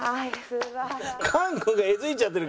菅君がえずいちゃってる。